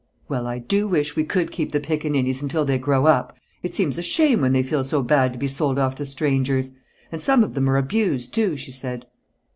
"Well, I do wish we could keep the pickaninnies until they grow up. It seems a shame when they feel so bad to be sold off to strangers. And some of them are abused too," she said.